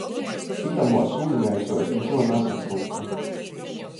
Itamuos ūļneicuos nikuo nasaprūtu.